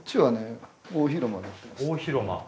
大広間。